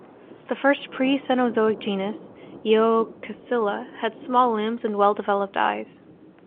The first pre-Cenozoic genus, "Eocaecilia", had small limbs and well-developed eyes.